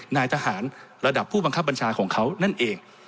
นายทหารระดับผู้บังคับบัญชาของเขานั่นเอง